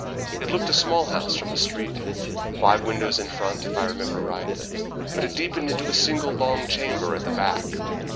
It looked a small house from the street, five windows in front, if I remember right, but it deepened into a single long chamber at the back.